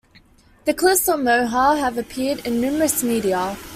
The Cliffs of Moher have appeared in numerous media.